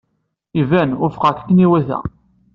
Iban, wufqeɣ-k akken iwata.